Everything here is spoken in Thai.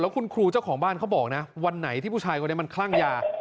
คุณครูเจ้าของบ้านเขาบอกนะวันไหนที่ผู้ชายคนนี้มันคลั่งยา